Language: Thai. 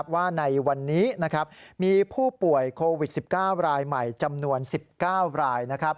ว่าในวันนี้มีผู้ป่วยโควิด๑๙รายใหม่จำนวน๑๙ราย